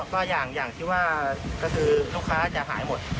ก็อย่างที่ว่าก็คือลูกค้าจะหายหมด